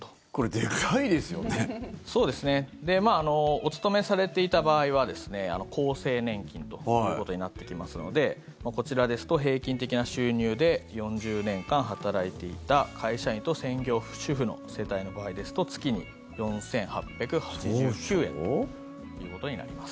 お勤めされていた場合は厚生年金ということになってきますのでこちらですと、平均的な収入で４０年間働いていた会社員と専業主婦の世帯の場合ですと月に４８８９円ということになります。